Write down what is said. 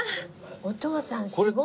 お父さんすごい。